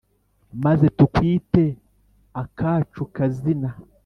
maze tukwite akacu kazina